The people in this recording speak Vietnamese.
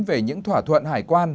về những thỏa thuận hải quan